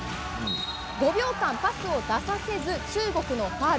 ５秒間パスを出させず中国のファウル。